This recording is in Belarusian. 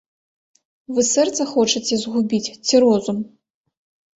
Вы сэрца хочаце згубіць, ці розум?